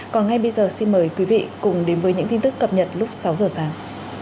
còn ngay bây giờ xin mời quý vị cùng đến với những tin tức cập nhật lúc sáu giờ sáng